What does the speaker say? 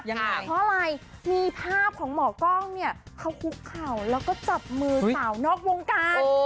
เพราะอะไรมีภาพของหมอกล้องเนี่ยเขาคุกเข่าแล้วก็จับมือสาวนอกวงการ